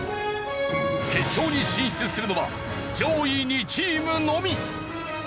決勝に進出するのは上位２チームのみ。